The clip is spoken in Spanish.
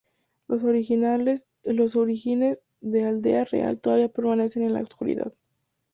Los orígenes de Aldea Real todavía permanecen en la oscuridad.